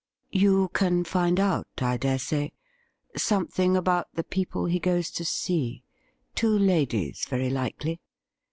'You can find out, I dare say, something about the people he goes to see — two ladies, very likely.